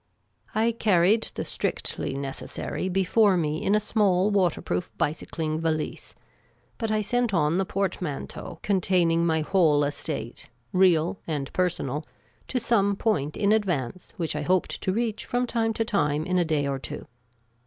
I carried the strictly necessary before me in a small waterproof bicycling valise ; but I sent on the portmanteau containing my whole estate, real and personal, to some point in advance which I hoped to reach from time to time in a day or two.